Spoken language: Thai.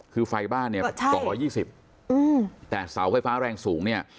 คือไฟบ้านเนี้ยใช่สองรอยยี่สิบอืมแต่เสาไฟฟ้าแรงสูงเนี้ย